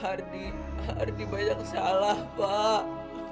hardi banyak salah pak